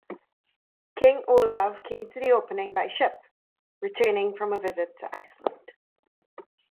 King Olav came to the opening by ship, returning from a visit to Iceland.